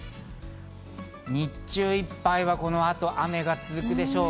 日中いっぱいはこの後、雨が続くでしょう。